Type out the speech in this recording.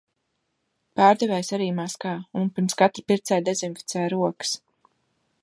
Pārdevējs arī maskā un pirms katra pircēja dezinficē rokas.